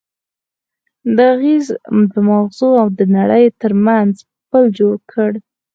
دې اغېز د ماغزو او نړۍ ترمنځ پُل جوړ کړ.